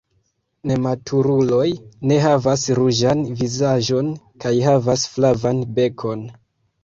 Nematuruloj ne havas ruĝan vizaĝon kaj havas flavan bekon.